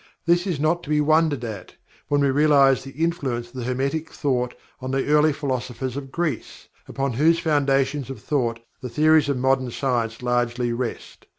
This is not to be wondered at, when we realize the influence of the Hermetic thought of the early philosophers of Greece, upon whose foundations of thought the theories of modern science largely rest.